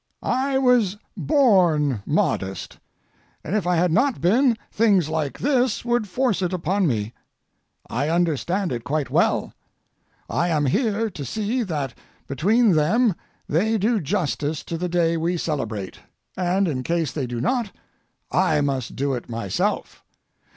I was born modest, and if I had not been things like this would force it upon me. I understand it quite well. I am here to see that between them they do justice to the day we celebrate, and in case they do not I must do it myself.